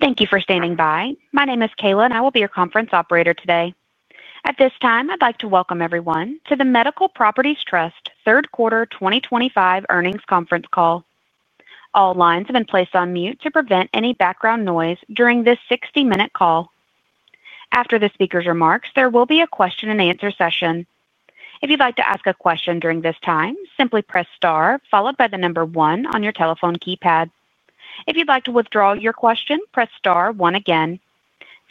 Thank you for standing by. My name is Kayla and I will be your conference operator today. At this time, I'd like to welcome everyone to the Medical Properties Trust third quarter 2025 earnings conference call. All lines have been placed on mute to prevent any background noise during this 60 minute call. After the speaker's remarks, there will be a question and answer session. If you'd like to ask a question during this time, simply press STAR followed by the number one on your telephone keypad. If you'd like to withdraw your question, press STAR one again.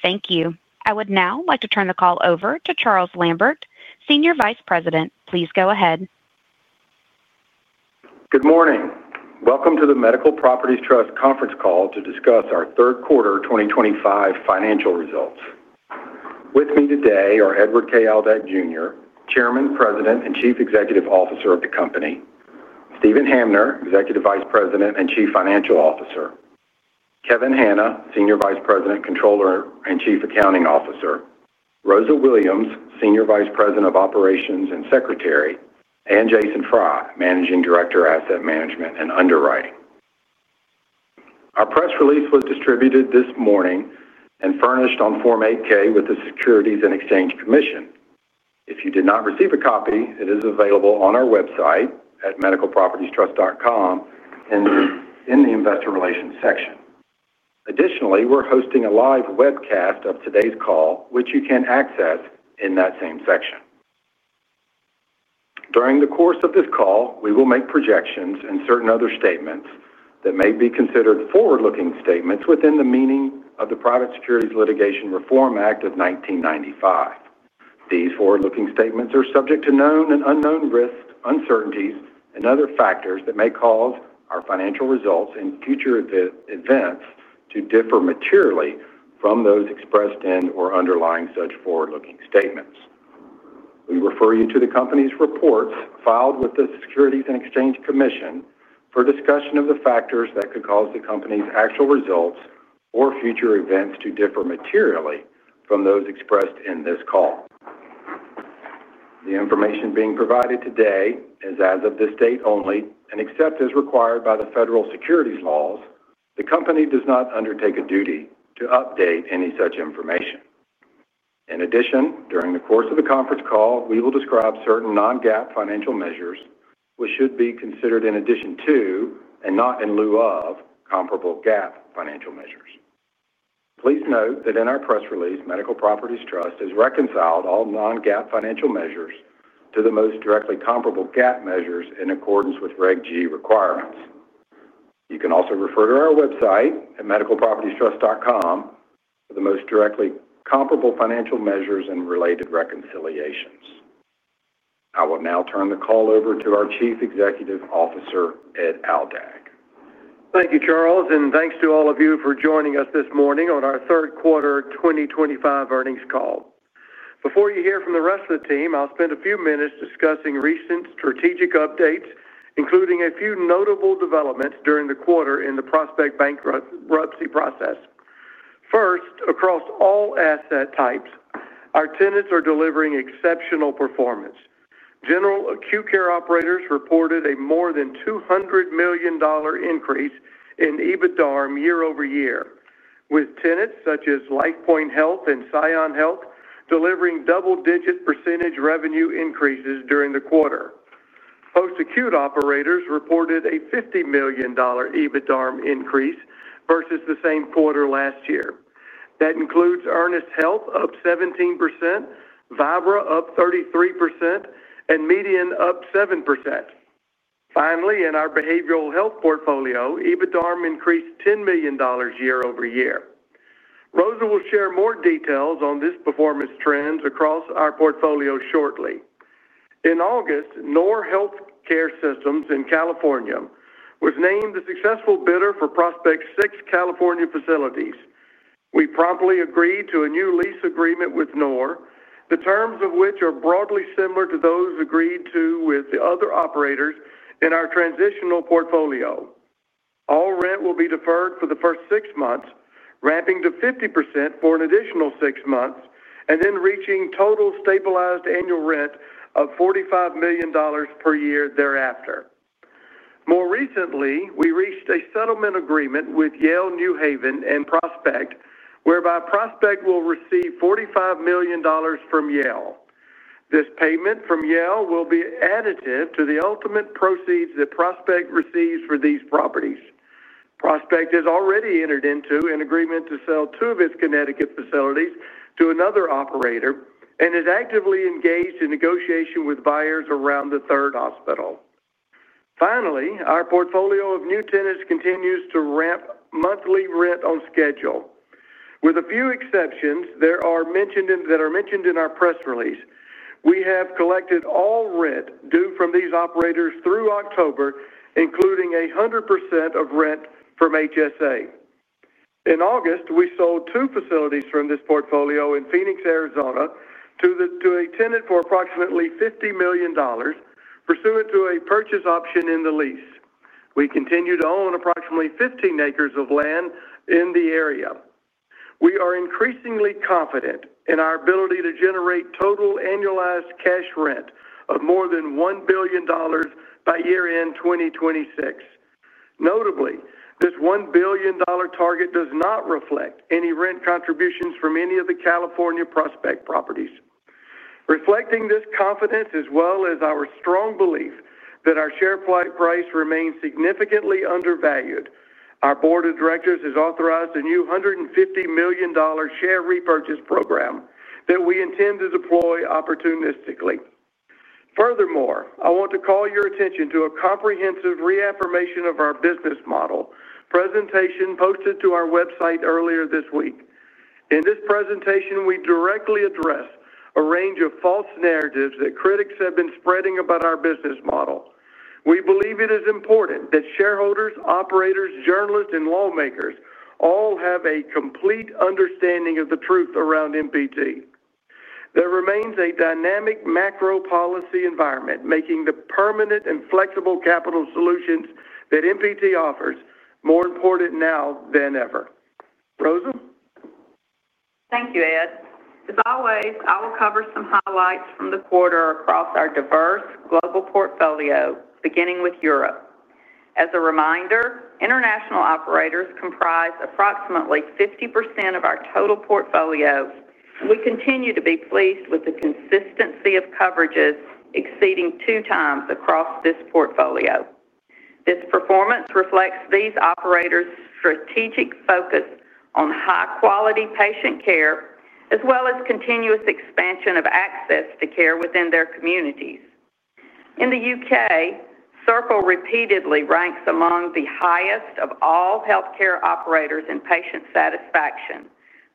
Thank you. I would now like to turn the call over to Charles Lambert, Senior Vice President. Please go ahead. Good morning. Welcome to the Medical Properties Trust conference call to discuss our third quarter 2025 financial results. With me today are Edward K. Aldag Jr., Chairman, President and Chief Executive Officer of the Company, Steven Hamner, Executive Vice President and Chief Financial Officer, Kevin Hanna, Senior Vice President, Comptroller and Chief Accounting Officer, Rosa Williams, Senior Vice President of Operations and Secretary, and Jason Fry, Managing Director, Asset Management and Underwriting. Our press release was distributed this morning and furnished on Form 8-K with the Securities and Exchange Commission. If you did not receive a copy, it is available on our website at medicalpropertiestrust.com and in the Investor Relations section. Additionally, we're hosting a live webcast of today's call which you can access in that same section. During the course of this call, we will make projections and certain other statements that may be considered forward-looking statements within the meaning of the Private Securities Litigation Reform Act of 1995. These forward-looking statements are subject to known and unknown risks, uncertainties, and other factors that may cause our financial results and future events to differ materially from those expressed in or underlying such forward-looking statements. We refer you to the Company's reports filed with the Securities and Exchange Commission for discussion of the factors that could cause the Company's actual results or future events to differ materially from those expressed in this call. The information being provided today is as of this date only, and except as required by the federal securities laws, the Company does not undertake a duty to update any such information. In addition, during the course of the conference call, we will describe certain non-GAAP financial measures which should be considered in addition to, as and not in lieu of, comparable GAAP financial measures. Please note that in our press release, Medical Properties Trust has reconciled all non-GAAP financial measures to the most directly comparable GAAP measures in accordance with Reg. G requirements. You can also refer to our website at medicalpropertiestrust.com for the most directly comparable financial measures and related reconciliations. I will now turn the call over to our Chief Executive Officer, Ed Aldag. Thank you, Charles, and thanks to all of you for joining us this morning on our third quarter 2025 earnings call. Before you hear from the rest of the team, I'll spend a few minutes discussing recent strategic updates, including a few notable developments during the quarter in the Prospect bankruptcy process. First, across all asset types, our tenants are delivering exceptional performance. General acute care operators reported a more than $200 million increase in EBITDARM year-over-year, with tenants such as LifePoint Health and ScionHealth delivering double-digit % revenue increases during the quarter. Post-acute operators reported a $50 million EBITDARM increase versus the same quarter last year. That includes Ernest Health up 17%, Vibra up 33%, and MEDIAN up 7%. Finally, in our Behavioral Health portfolio, EBITDARM increased $10 million year-over-year. Rosa will share more details on this performance trend across our portfolio shortly. In August, NOR Healthcare Systems in California was named the successful bidder for Prospect's six California facilities. We promptly agreed to a new lease agreement with NOR, the terms of which are broadly similar to those agreed to with the other operators in our transitional portfolio. All rent will be deferred for the first six months, ramping to 50% for an additional six months, and then reaching total stabilized annual rent of $45 million per year thereafter. More recently, we reached a settlement agreement with Yale New Haven Health and Prospect whereby Prospect will receive $45 million from Yale. This payment from Yale will be additive to the ultimate proceeds that Prospect receives for these properties. Prospect has already entered into an agreement to sell two of its Connecticut facilities to another operator and is actively engaged in negotiation with buyers around the third hospital. Finally, our portfolio of new tenants continues to ramp monthly rent on schedule, with a few exceptions that are mentioned in our press release. We have collected all rent due from these operators through October, including 100% of rent from HSA. In August, we sold two facilities from this portfolio in Phoenix, Arizona to a tenant for approximately $50 million pursuant to a purchase option in the lease. We continue to own approximately 15 acres of land in the area. We are increasingly confident in our ability to generate total annualized cash rent of more than $1 billion by year end 2026. Notably, this $1 billion target does not reflect any rent contributions from any of the California Prospect properties, reflecting this confidence as well as our strong belief that our share price remains significantly undervalued, and our Board of Directors has authorized a new $150 million share repurchase program that we intend to deploy opportunistically. Furthermore, I want to call your attention to a comprehensive reaffirmation of our business model presentation posted to our website earlier this week. In this presentation we directly address a range of false narratives that critics have been spreading about our business model. We believe it is important that shareholders, operators, journalists, and lawmakers all have a complete understanding of the truth around MPT. There remains a dynamic macro policy environment, making the permanent and flexible capital solutions that Medical Properties Trust offers more important now than ever. Rosa, thank you, Ed. As always, I will cover some highlights from the quarter across our diverse global portfolio, beginning with Europe. As a reminder, international operators comprise approximately 50% of our total portfolio. We continue to be pleased with the consistency of coverages exceeding two times across this portfolio. This performance reflects these operators' strategic focus on high quality patient care as well as continuous expansion of access to care within their communities. In the UK, Circle Health repeatedly ranks among the highest of all healthcare operators in patient satisfaction,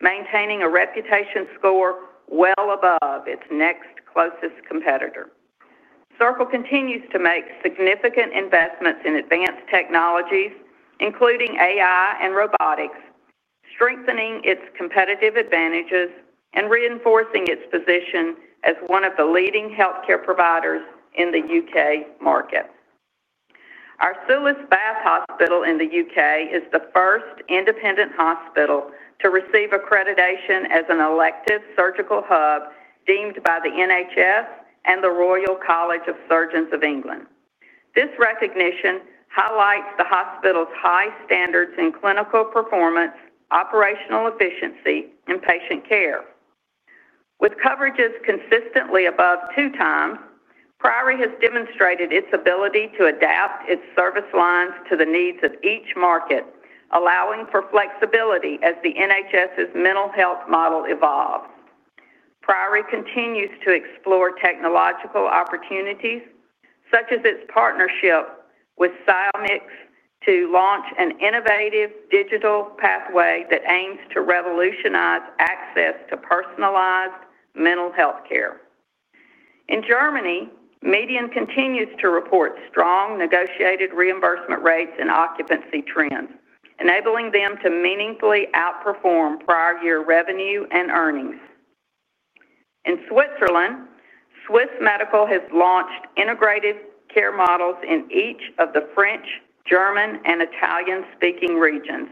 maintaining a reputation score well above its next closest competitor. Circle Health continues to make significant investments in advanced technologies, including AI and robotics, strengthening its competitive advantages and reinforcing its position as one of the leading healthcare providers in the UK market. Our Sulis Bath Hospital in the UK is the first independent hospital to receive accreditation as an elective surgical hub deemed by the NHS and the Royal College of Surgeons of England. This recognition highlights the hospital's high standards in clinical performance, operational efficiency, and patient care. With coverages consistently above 2x, Priory Group has demonstrated its ability to adapt its service lines to the needs of each market, allowing for flexibility as the NHS mental health model evolves. Priory Group continues to explore technological opportunities such as its partnership with Siomix and to launch an innovative digital pathway that aims to revolutionize access to personalized mental health care. In Germany, MEDIAN continues to report strong negotiated reimbursement rates and occupancy trends, enabling them to meaningfully outperform prior year revenue and earnings. In Switzerland, Swiss Medical has launched integrated care models in each of the French, German, and Italian speaking regions,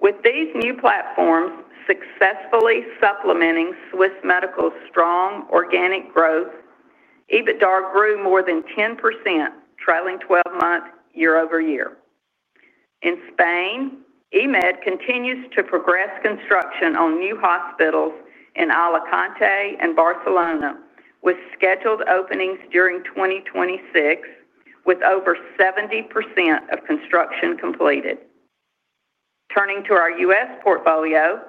with these new platforms successfully supplementing Swiss Medical's strong organic growth. EBITDAR grew more than 10% trailing 12 month year-over-year. In Spain, EMED continues to progress construction on new hospitals in Alicante and Barcelona, with scheduled openings during 2026, with over 70% of construction completed. Turning to our U.S. portfolio,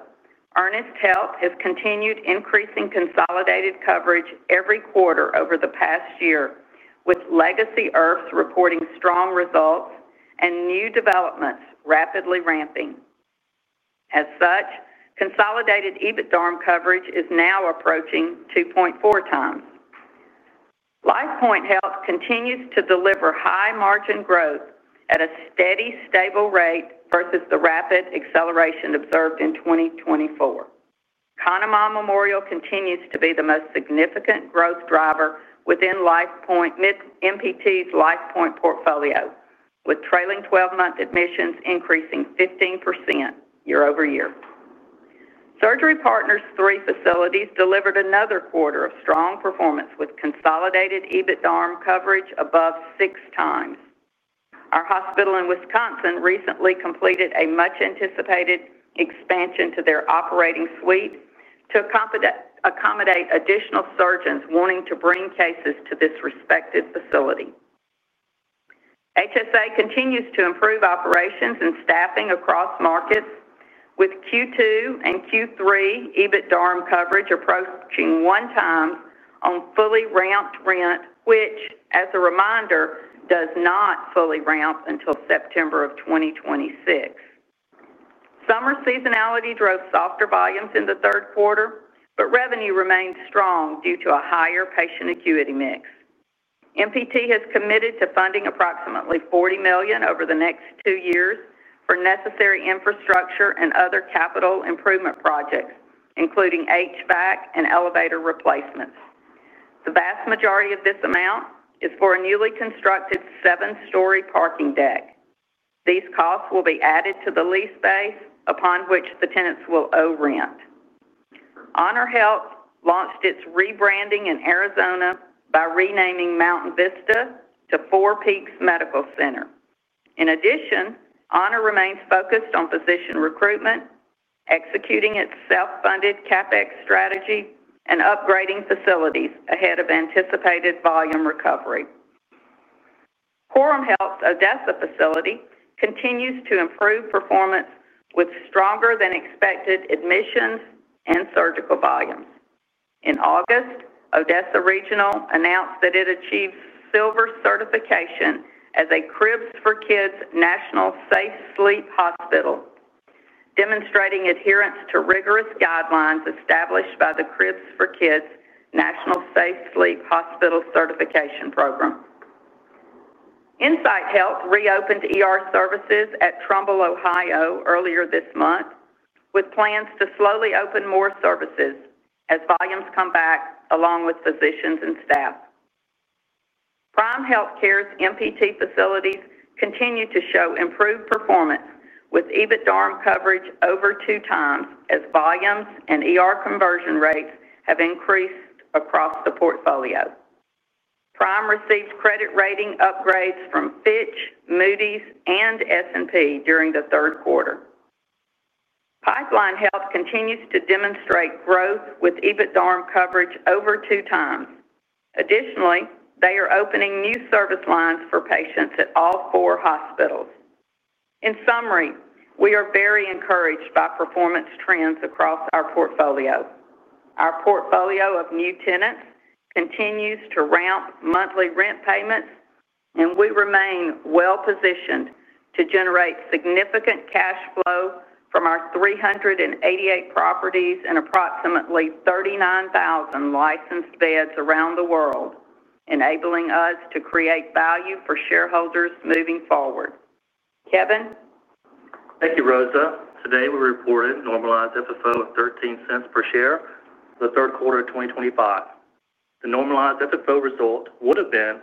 Ernest Health has continued increasing consolidated coverage every quarter over the past year, with legacy IRFs reporting strong results and new developments rapidly ramping. As such, consolidated EBITDARM coverage is now approaching 2.4x. LifePoint Health continues to deliver high margin growth at a steady, stable rate versus the rapid acceleration observed in 2024. Conemaugh Memorial continues to be the most significant growth driver within Medical Properties Trust's LifePoint Health portfolio, with trailing 12-month admissions increasing 15% year-over-year. Surgery Partners' three facilities delivered another quarter of strong performance with consolidated EBITDARM coverage above six times. Our hospital in Wisconsin recently completed a much-anticipated expansion to their operating suite to accommodate additional surgeons wanting to bring cases to this respected facility. HSA continues to improve operations and staffing across markets, with Q2 and Q3 EBITDARM coverage approaching one time on fully ramped rent, which, as a reminder, does not fully ramp until September of 2026. Summer seasonality drove softer volumes in the third quarter, but revenue remained strong due to a higher patient acuity mix. Medical Properties Trust has committed to funding approximately $40 million over the next two years for necessary infrastructure and other capital improvement projects, including HVAC and elevator replacements. The vast majority of this amount is for a newly constructed seven-story parking deck. These costs will be added to the lease base upon which the tenants will owe rent. Honor Health launched its rebranding in Arizona by renaming Mountain Vista to Four Peaks Medical Center. In addition, NOR Healthcare Systems remains focused on physician recruitment, executing its self-funded CapEx strategy, and upgrading facilities ahead of anticipated volume recovery. Quorum Health's Odessa facility continues to improve performance with stronger than expected admissions and surgical volumes. In August, Odessa Regional announced that it achieved Silver certification as a Cribs for Kids National Safe Sleep Hospital, demonstrating adherence to rigorous guidelines established by the Cribs for Kids National Safe Sleep Hospital Certification Program. Insight Health reopened ER services at Trumbull, Ohio earlier this month with plans to slowly open more services as volumes come back, along with physicians and staff. Prime Healthcare's MPT facilities continue to show improved performance with EBITDARM coverage over two times as volumes and ER conversion rates have increased across the portfolio. Prime received credit rating upgrades from Fitch, Moody’s, and S&P during the third quarter. Pipeline Health continues to demonstrate growth with EBITDARM coverage over two times. Additionally, they are opening new service lines for patients at all four hospitals. In summary, we are very encouraged by performance trends across our portfolio. Our portfolio of new tenants continues to ramp monthly rent payments, and we remain well positioned to generate significant cash flow from our 388 properties and approximately 39,000 licensed beds around the world, enabling us to create value for shareholders moving forward. Kevin, thank you. Rosa. Today we reported normalized FFO of $0.13 per share for the third quarter of 2025. The normalized FFO result would have been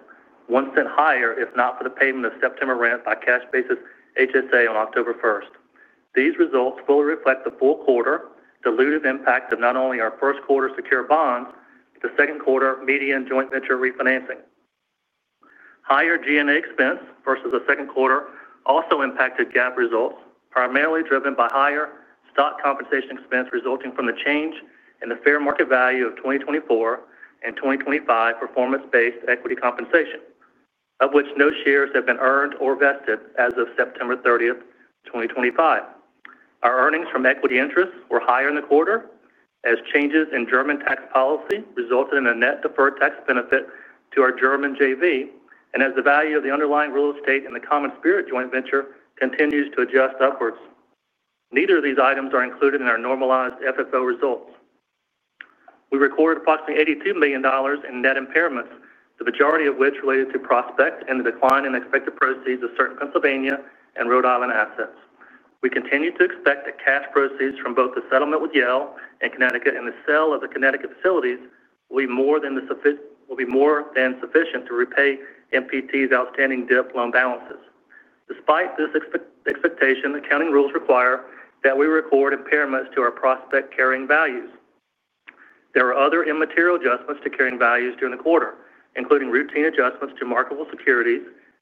$0.01 higher if not for the payment of September rent by cash basis HSA on October 1. These results fully reflect the full quarter dilutive impact of not only our first quarter secured bonds, the second quarter MEDIAN joint venture refinancing, and higher G&A expense versus the second quarter. This also impacted GAAP results, primarily driven by higher stock compensation expense resulting from the change in the fair market value of 2024 and 2025 performance-based equity compensation, of which no shares have been earned or vested. As of September 30, 2025, our earnings from equity interest were higher in the quarter as changes in German tax policy resulted in a net deferred tax benefit to our German JV and as the value of the underlying real estate in the CommonSpirit joint venture continues to adjust upwards. Neither of these items are included in our normalized FFO results. We recorded approximately $82 million in net impairments, the majority of which related to Prospect Medical Group and the decline in expected proceeds of certain Pennsylvania and Rhode Island assets. We continue to expect that cash proceeds from both the settlement with Yale New Haven Health in Connecticut and the sale of the Connecticut facilities will be more than sufficient to repay MPT's outstanding DIP loan balances. Despite this expectation, accounting rules require that we record impairments to our Prospect carrying values. There are other immaterial adjustments to carrying values during the quarter, including routine adjustments to marketable securities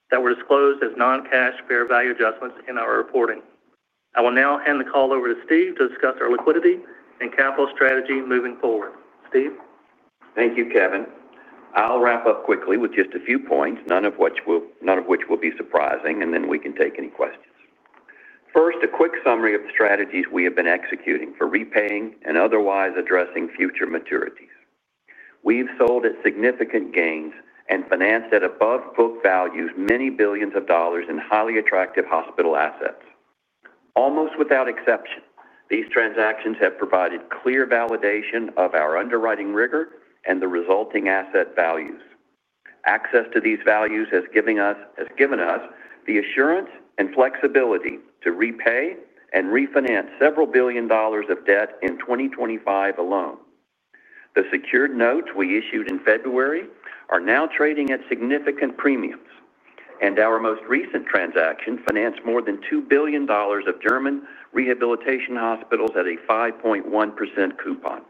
that were disclosed as non-cash fair value adjustments in our reporting. I will now hand the call over to Steve to discuss our liquidity and capital strategy moving forward. Steve, thank you, Kevin. I'll wrap up quickly with just a few points, none of which will be surprising, and then we can take any questions. First, a quick summary of the strategies we have been executing for repaying and otherwise addressing future maturities. We've sold at significant gains and financed at above book values many billions of dollars in highly attractive hospital assets. Almost without exception, these transactions have provided clear validation of our underwriting rigor and the resulting asset values. Access to these values has given us the assurance and flexibility to repay and refinance several billion dollars of debt in 2025 alone. The secured notes we issued in February are now trading at significant premiums, and our most recent transaction financed more than $2 billion of German rehabilitation hospitals at a 5.1% coupon.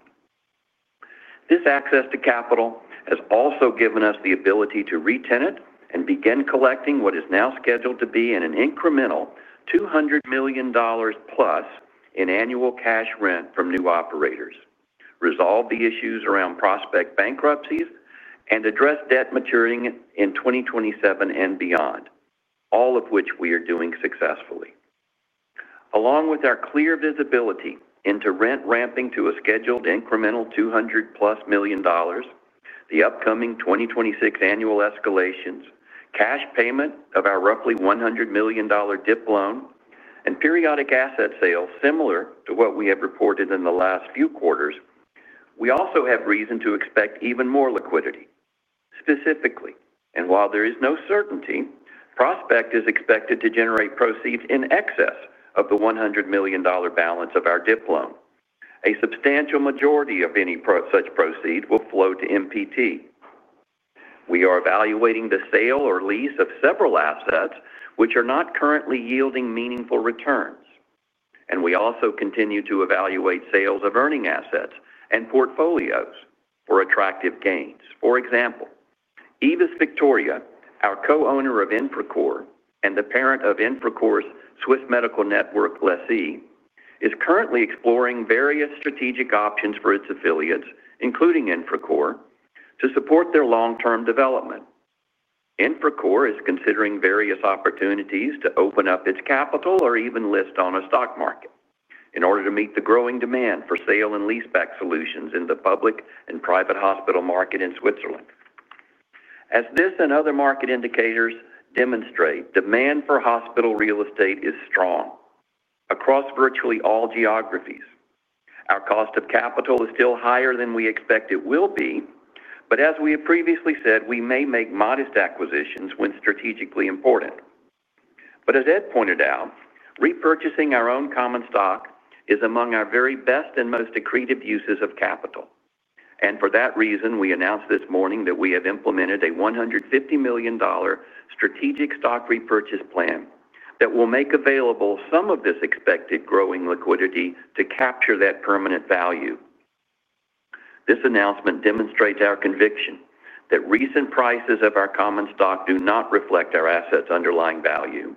This access to capital has also given us the ability to re-tenant and begin collecting what is now scheduled to be an incremental $200 million plus in annual cash rent from new operators, resolve the issues around Prospect bankruptcies, and address debt maturing in 2027 and beyond, all of which we are doing successfully, along with our clear visibility into rent ramping to a scheduled incremental $200 million plus, the upcoming 2026 annual escalations, cash payment of our roughly $100 million DIP loan, and periodic asset sales similar to what we have reported in the last few quarters. We also have reason to expect even more liquidity. Specifically, and while there is no certainty, Prospect is expected to generate proceeds in excess of the $100 million balance of our DIP loan. A substantial majority of any such proceeds will flow to Medical Properties Trust. We are evaluating the sale or lease of several assets which are not currently yielding meaningful returns, and we also continue to evaluate sales of earning assets and portfolios for attractive gains. For example, Aevis Victoria, our co-owner of Infracor and the parent of Infracor's Swiss Medical network lessee, is currently exploring various strategic options for its affiliates, including Infracor, to support their long-term development. Infracor is considering various opportunities to open up its capital or even list on a stock market in order to meet the growing demand for sale and leaseback solutions in the public and private hospital market in Switzerland. As this and other market indicators demonstrate, demand for hospital real estate is strong across virtually all geographies. Our cost of capital is still higher than we expect it will be, but as we have previously said, we may make modest acquisitions when strategically important, but as Ed pointed out, repurchasing our own common stock is among our very best and most accretive uses of capital, and for that reason we announced this morning that we have implemented a $150 million strategic stock repurchase plan that will make available some of this expected growing liquidity to capture that permanent value. This announcement demonstrates our conviction that recent prices of our common stock do not reflect our assets' underlying value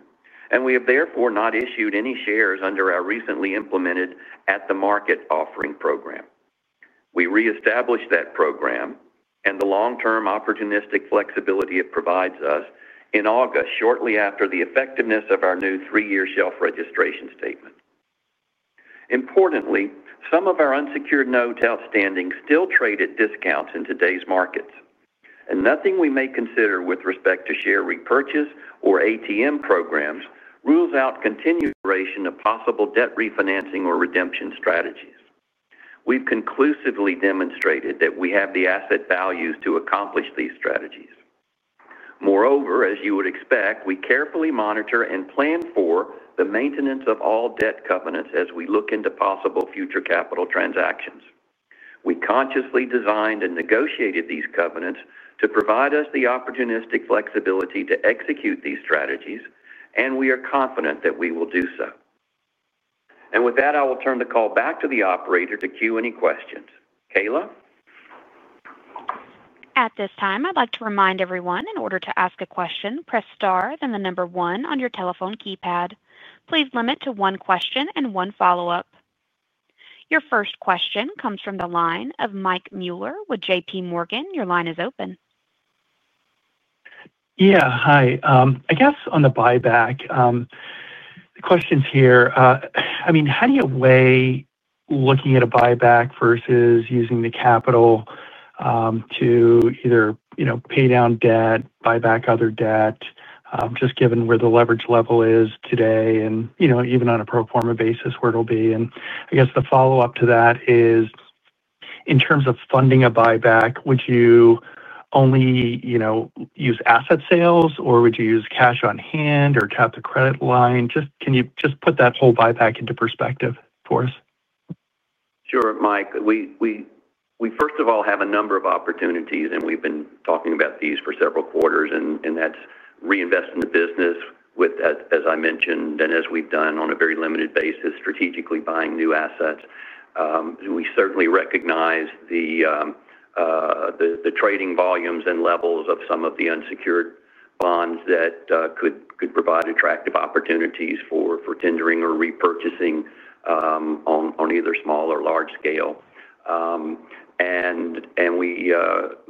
and we have therefore not issued any shares under our recently implemented At the Market Offering program. We reestablished that program and the long-term opportunistic flexibility it provides us in August shortly after the effectiveness of our new three-year shelf registration statement. Importantly, some of our unsecured notes outstanding still trade at discounts in today's markets and nothing we may consider with respect to share repurchase or ATM programs rules out continuation of possible debt refinancing or redemption strategies. We have conclusively demonstrated that we have the asset values to accomplish these strategies. Moreover, as you would expect, we carefully monitor and plan for the maintenance of all debt covenants as we look into possible future capital transactions. We consciously designed and negotiated these covenants to provide us the opportunistic flexibility to execute these strategies, and we are confident that we will do so. With that, I will turn the call back to the operator to queue any questions. Kayla. At this time I'd like to remind everyone, in order to ask a question, press star, then the number one on your telephone keypad. Please limit to one question and one follow-up. Your first question comes from the line of Mike Mueller with JPMorgan. Your line is open. Yeah, hi. I guess on the buyback the question's here. How do you weigh looking at a buyback versus using the capital to either, you know, pay down debt, buy back other debt, just given where the leverage level is today and, you know, even on a pro forma basis where it'll be? I guess the follow up to that is in terms of funding a buyback, would you only, you know, use asset sales or would you use cash on hand or tap the credit line? Can you just put that whole buyback into perspective for us? Sure, Mike. We first of all have a number of opportunities and we've been talking about these for several quarters and that's reinvesting the business with, as I mentioned, and as we've done on a very limited basis, strategically buying new assets. We certainly recognize the trading volumes and levels of some of the unsecured bonds that could provide attractive opportunities for tendering or repurchasing on either small or large scale.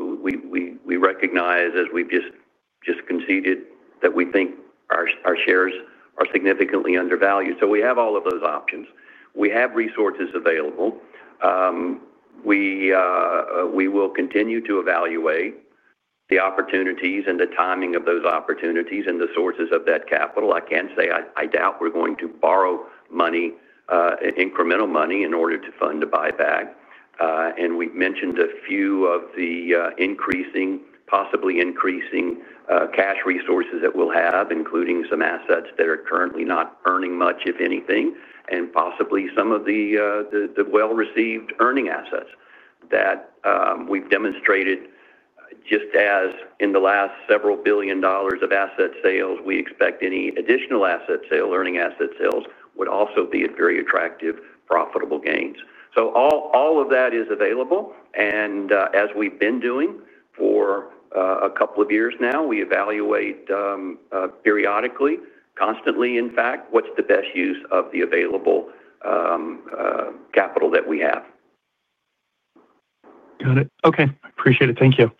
We recognize, as we've just conceded, that we think our shares are significantly undervalued. We have all of those options. We have resources available. We will continue to evaluate the opportunities and the timing of those opportunities and the sources of that capital. I can't say I doubt we're going to borrow money, incremental money, in order to fund a buyback. We mentioned a few of the increasing, possibly increasing cash resources that we'll have, including some assets that are currently not earning much, if anything, and possibly some of the well received earning assets that we've demonstrated. Just as in the last several billion dollars of asset sales, we expect any additional asset sale earning asset sales would also be at very attractive profitable gains. All of that is available and as we've been doing for a couple of years now, we evaluate periodically, constantly, in fact, what's the best use of the available capital that we have. Got it. Okay. Appreciate it. Thank you.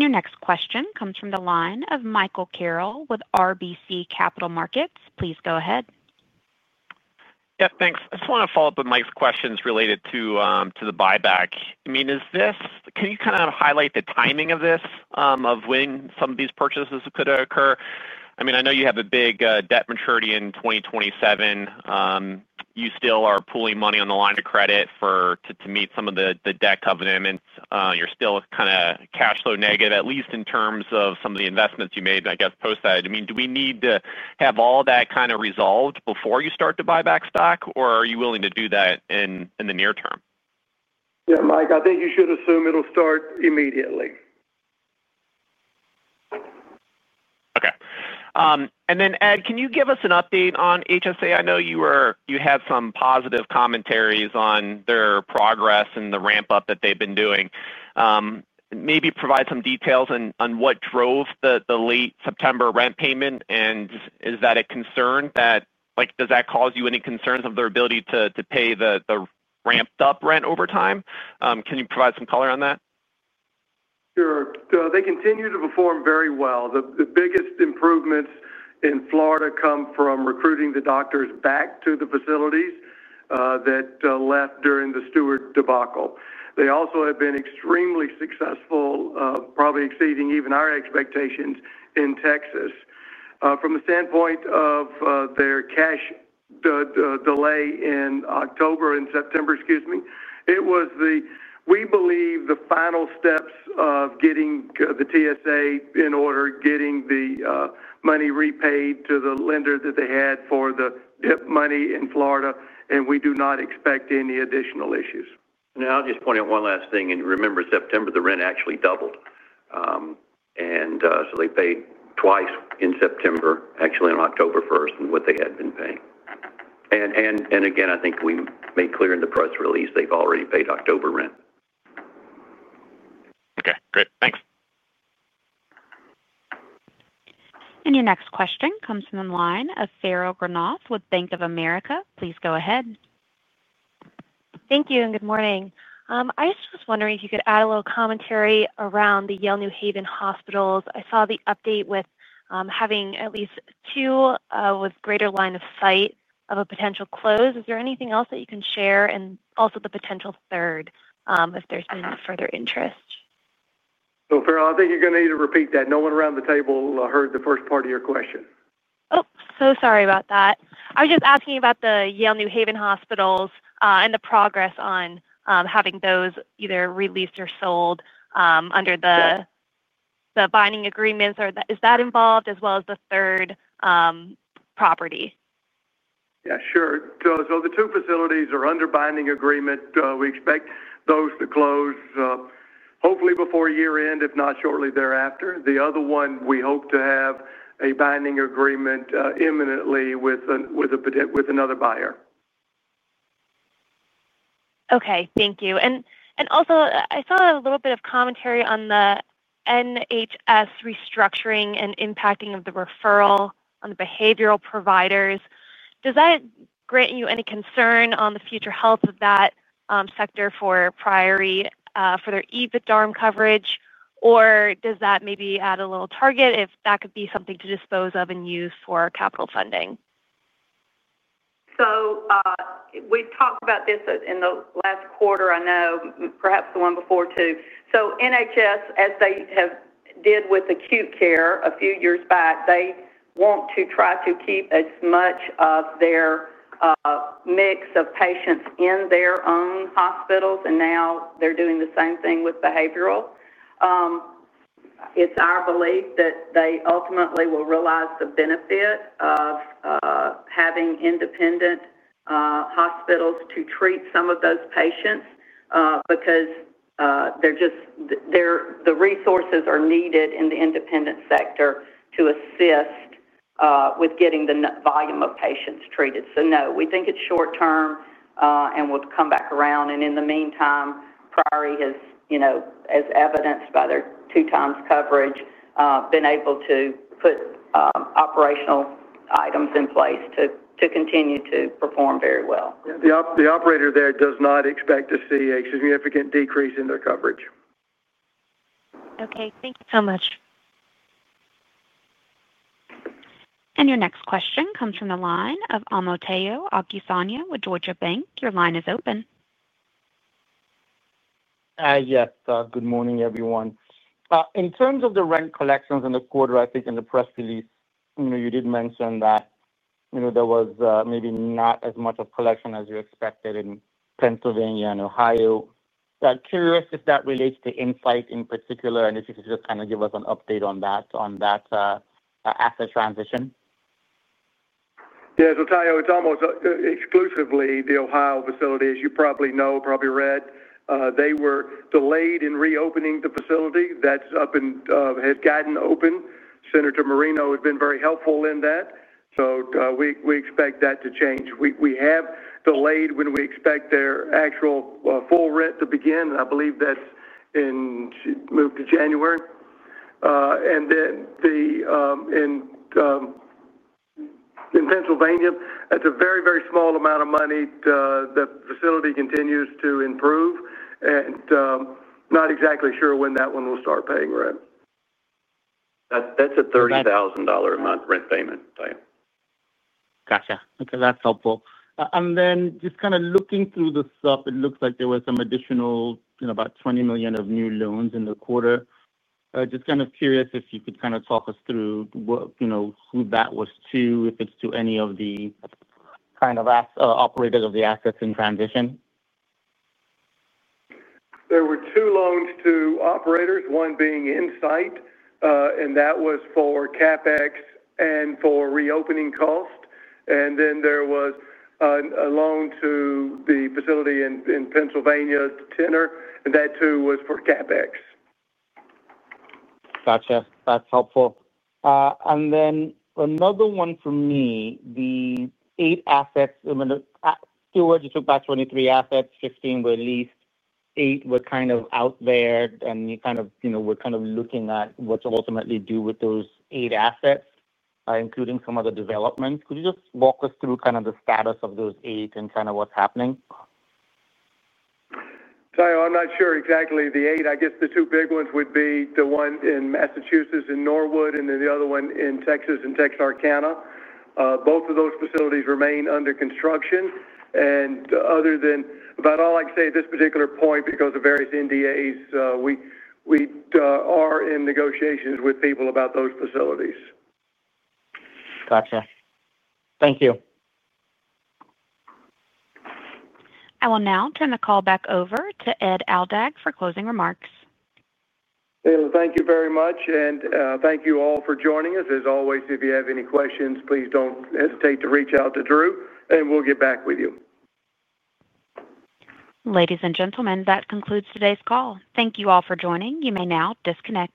Your next question comes from the line of Michael Carroll with RBC Capital Markets. Please go ahead. Yeah, thanks. I just want to follow up with Mike's questions related to the buyback. Can you kind of highlight the timing of this, of when some of these purchases could occur? I know you have a big debt maturity in 2027. You still are pooling money on the line of credit to meet some of the debt covenants. You're still kind of cash flow negative, at least in terms of some of the investment you made. I guess post that, do we need to have all that kind of resolved before you start to buy back stock, or are you willing to do that in the near term? Yeah, Mike, I think you should assume it will start immediately. Okay. Ed, can you give us an update on HSA? I know you had some positive commentaries on their progress and the ramp up that they've been doing. Maybe provide some details on what drove the late September rent payment. Is that a concern that, like, does that cause you any concerns of their ability to pay the ramped up rent over time? Can you provide some color on that? Sure. They continue to perform very well. The biggest improvements in Florida come from recruiting the doctors back to the facilities that left during the Steward debacle. They also have been extremely successful, probably exceeding even our expectations in Texas from the standpoint of their cash delay in October and September. Excuse me. We believe the final steps of getting the TSA in order, getting the money repaid to the lender that they had for the DIP loan in Florida, are complete. We do not expect any additional issues. Now, I'll just point out one last thing. Remember, September, the rent actually doubled, and they paid twice in September, actually on October 1, what they had been paying. I think we made clear in the press release they've already paid October rent. Okay, great, thanks. Your next question comes from the line of Farrell Granath with Bank of America. Please go ahead. Thank you. Good morning. I was just wondering if you could add a little commentary around the Yale New Haven hospitals. I saw the update with having at least two with greater line of sight of a potential close. Is there anything else that you can share? Also, the potential third, if there's been further interest. Think you're going to need to repeat that. No one around the table heard the first part of your question. Sorry about that. I was just asking about the Yale New Haven hospitals and the progress on having those either released or sold under the binding agreements, or is that involved as well as the third property? Yeah, sure. The two facilities are under binding agreement. We expect those to close hopefully before year end, if not shortly thereafter. The other one, we hope to have a binding agreement imminently with another buyer. Okay, thank you. I saw a little bit of commentary on the NHS restructuring and impacting of the referral on the behavioral providers. Does that grant you any concern on the future health of that sector for Priory for their EBITDARM coverage? Or does that maybe add a little target if that could be something to dispose of and use for capital funding? We talked about this in the last quarter, and perhaps the one before too. NHS, as they did with acute care a few years back, want to try to keep as much of their mix of patients in their own hospitals. Now they're doing the same thing with behavioral. It's our belief that they ultimately will realize the benefit of having independent hospitals to treat some of those patients because the resources are needed in the independent sector to assist with getting the volume of patients treated. We think it's short term and will come back around. In the meantime, Priory has, as evidenced by their two times coverage, been able to put operational items in place to continue to perform very well. The operator there does not expect to see a significant decrease in their coverage. Okay, thank you so much. Your next question comes from the line of Omotayo Okusanya with Deutsche Bank. Your line is open. Yes. Good morning everyone. In terms of the rent collections in the quarter, I think in the press release you did mention that there was maybe not as much of collection as you expected in Pennsylvania and Ohio. Curious if that relates to Insight in particular and if you could just kind of give us an update on that, on that asset transition. Yes, Omotayo. It's almost exclusively the Ohio facility, as you probably know. You probably read, they were delayed in reopening the facility. That has gotten open. Senator Moreno has been very helpful in that. We expect that to change. We have delayed when we expect their actual full rent to begin. I believe that's moved to January, and then in Pennsylvania, that's a very, very small amount of money. The facility continues to improve, and not exactly sure when that one will start paying rent. That's a $30,000 a month rent payment. Gotcha. Okay, that's helpful. Just kind of looking through the stuff, it looks like there was some additional, you know, about $20 million of new loans in the quarter. Just kind of curious if you could talk us through what, you know, who that was to, if it's to any of the kind of, I guess, operators of the assets in transition. There were two loans to operators, one being Insight, and that was for CapEx and for reopening cost, and then there was a loan to the facility in Pennsylvania, Tenor, and that, too, was for CapEx. Gotcha. That's helpful. Another one for me. The eight assets you took back, 23 assets, 15 released. Eight were out there. You were looking at what to ultimately do with those eight assets, including some of the developments. Could you just walk us through the status of those eight and what's happening? Omotayo I'm not sure exactly. The eight, I guess the two big ones would be the one in Massachusetts in Norwood, and then the other one in Texas in Texarkana. Both of those facilities remain under construction. Other than that, about all I can say at this particular point, because of various NDAs, we are in negotiations with people about those facilities. Gotcha. Thank you. I will now turn the call back over to Edward K. Aldag Jr. for closing remarks. Thank you very much, and thank you all for joining us. As always, if you have any questions, please don't hesitate to reach out to Drew, and we'll get back with you. Ladies and gentlemen, that concludes today's call. Thank you all for joining. You may now disconnect.